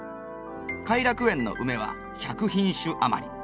偕楽園のウメは１００品種余り。